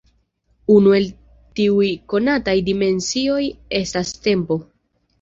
Unu el tiuj konataj dimensioj estas tempo.